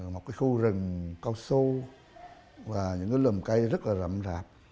một cái khu rừng cao su và những cái lùm cây rất là rậm rạp